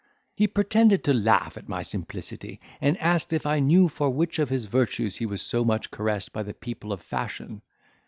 He pretended to laugh at my simplicity, and asked, if I knew for which of his virtues he was so much caressed by the people of fashion.